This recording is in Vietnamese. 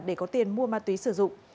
để có tiền mua ma túy sử dụng